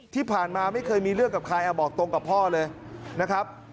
ที่ผ่านมาไม่เคยมีเรื่องกับใครบอกตรงกับพ่อเลยนะครับ